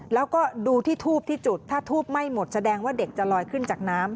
แล้วก็ดูที่ทูบที่จุดถ้าทูบไหม้หมดแสดงว่าเด็กจะลอยขึ้นจากน้ำ